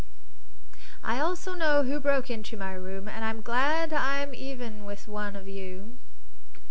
"I also know who broke into my room, and I'm glad I'm even with one of you."